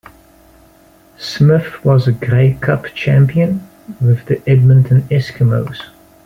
Smith was a Grey Cup champion with the Edmonton Eskimos.